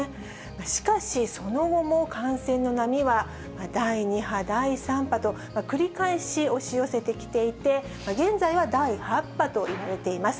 しかし、その後も感染の波は第２波、第３波と、繰り返し押し寄せてきていて、現在は第８波といわれています。